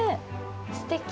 すてき！